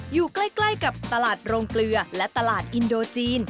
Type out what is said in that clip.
อยู่ใกล้กับตลาดโรงเกลือและตลาดอินโดจีน